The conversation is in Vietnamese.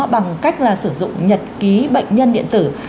bằng cách sử dụng nhật ký bệnh nhân điện tử